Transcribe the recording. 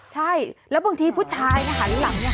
ใช่แล้วบางทีผู้ชายหันหลังเนี่ย